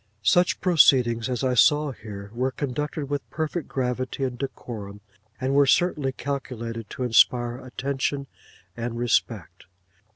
Such proceedings as I saw here, were conducted with perfect gravity and decorum; and were certainly calculated to inspire attention and respect.